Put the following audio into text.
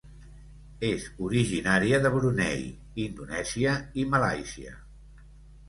És originària de Brunei, Indonèsia i Malàisia.